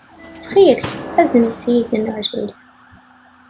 Ttxil-k, azen-it s yizen uɛjil.